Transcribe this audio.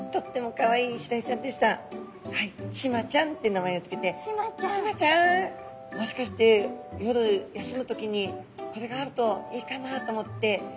シマちゃんって名前を付けて「シマちゃんもしかして夜休む時にこれがあるといいかなと思ってタコつぼを買ってきたよ」と。